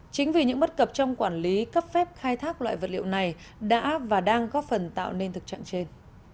chính vì những bất cập trong quản lý cấp phép khai thác loại vật liệu này đã và đang góp phần tạo nên thực trạng trên